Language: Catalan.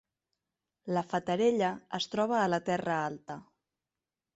La Fatarella es troba a la Terra Alta